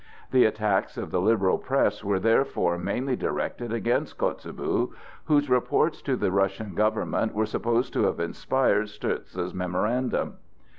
The attacks of the liberal press were therefore mainly directed against Kotzebue, whose reports to the Russian government were supposed to have inspired Stourdza's memorandum.